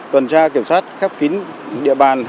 tuần tra kiểm soát khắp kín địa bàn